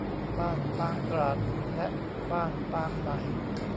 บ้านปางตราด และบ้านปางใหม่